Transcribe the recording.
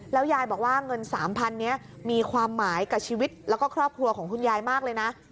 ยายบอกว่าเงิน๓๐๐นี้มีความหมายกับชีวิตแล้วก็ครอบครัวของคุณยายมากเลยนะ